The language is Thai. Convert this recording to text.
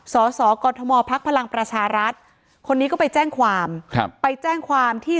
สสกมพักพลังประชารัฐคนนี้ก็ไปแจ้งความครับไปแจ้งความที่